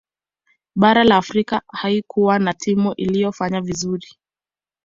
bara la afrika halikuwa na timu iliyofanya vizuri